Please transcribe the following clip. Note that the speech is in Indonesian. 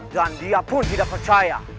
dan dia pun tidak percaya